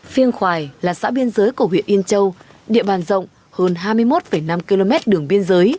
phiên khoài là xã biên giới của huyện yên châu địa bàn rộng hơn hai mươi một năm km đường biên giới